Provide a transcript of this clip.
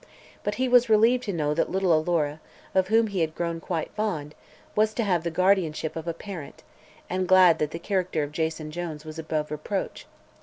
But he was relieved to know that little Alora, of whom he had grown quite fond, was to have the guardianship of a parent, and glad that the character of Jason Jones was above reproach.